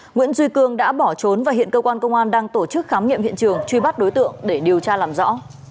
nguyễn duy cương đã bỏ trốn và hiện cơ quan công an đang tổ chức khám nghiệm hiện trường truy bắt đối tượng để điều tra làm rõ